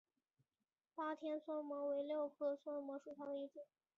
巴天酸模为蓼科酸模属下的一个种。